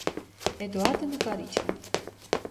Էդուարդը նկարիչ է։